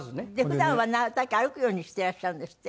普段はなるたけ歩くようにしてらっしゃるんですって？